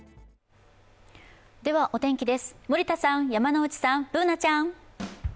お天気です、森田さん、山内さん、Ｂｏｏｎａちゃん